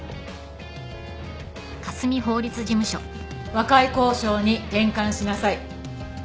和解交渉に転換しなさい。